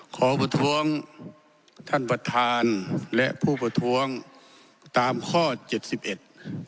ขอประท้วงท่านประธานและผู้ประท้วงตามข้อเจ็ดสิบเอ็ด